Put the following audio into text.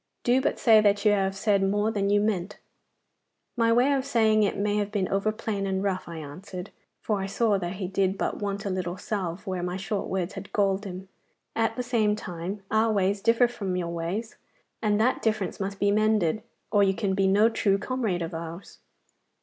Do but say that you have said more than you meant.' 'My way of saying it may have been over plain and rough,' I answered, for I saw that he did but want a little salve where my short words had galled him. 'At the same time, our ways differ from your ways, and that difference must be mended, or you can be no true comrade of ours.